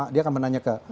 dia akan menanya ke